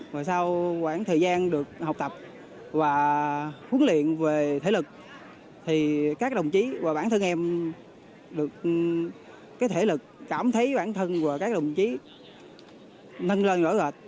mà sau quãng thời gian được học tập và huấn luyện về thể lực thì các đồng chí và bản thân em được cái thể lực cảm thấy bản thân và các đồng chí nâng lên rõ rệt